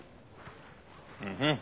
うん。